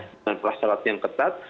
dengan prasyarat yang ketat